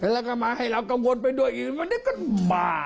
แล้วก็มาให้เรากังวลไปด้วยอีกวันนี้ก็มา